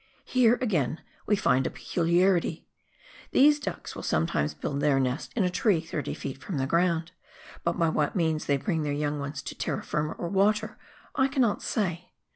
Here, again, we find a peculiarity ; these ducks will sometimes build their nest in a tree 30 ft. from the ground, but by what means they bring their young ones to terra firma or water, I cannot say.